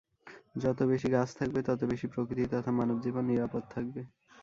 যত বেশি গাছ থাকবে, তত বেশি প্রকৃতি তথা মানবজীবন নিরাপদ থাকবে।